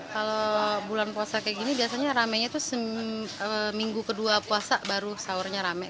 kalau bulan puasa kayak gini biasanya ramenya tuh minggu kedua puasa baru sahurnya rame